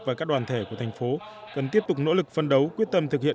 và các đoàn thể của thành phố cần tiếp tục nỗ lực phân đấu quyết tâm thực hiện